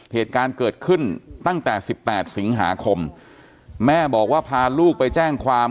เหตุการณ์เกิดขึ้นตั้งแต่สิบแปดสิงหาคมแม่บอกว่าพาลูกไปแจ้งความ